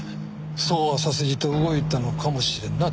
そうはさせじと動いたのかもしれんな谷川は。